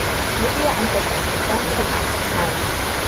Lydia and Wickham return to the house married.